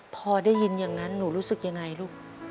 พอได้ยินอย่างนั้นหนูรู้สึกยังไงลูก